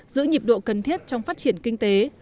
giữ nhịp độ cần thiết trong phát triển kinh tế